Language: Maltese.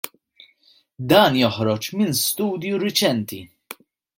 Dan joħroġ minn studju riċenti.